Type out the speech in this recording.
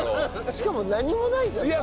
しかも何もないじゃん周りに。